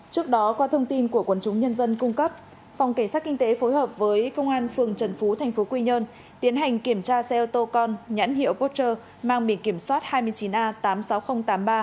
trước đó qua thông tin của quần chúng nhân dân cung cấp phòng cảnh sát kinh tế phối hợp với công an phường trần phú thành phố quy nhơn tiến hành kiểm tra xe ô tô con nhãn hiệu porsche mang bị kiểm soát